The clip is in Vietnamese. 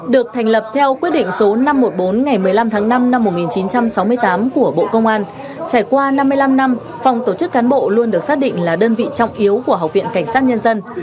được thành lập theo quyết định số năm trăm một mươi bốn ngày một mươi năm tháng năm năm một nghìn chín trăm sáu mươi tám của bộ công an trải qua năm mươi năm năm phòng tổ chức cán bộ luôn được xác định là đơn vị trọng yếu của học viện cảnh sát nhân dân